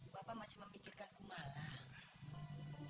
bapak masih memikirkan kumalah